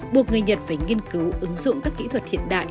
buộc người nhật phải nghiên cứu ứng dụng các kỹ thuật hiện đại